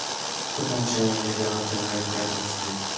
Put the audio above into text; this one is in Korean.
폭풍우가 지나간 뒤의 바다 같은 정적이 다리가 떨렸으리라.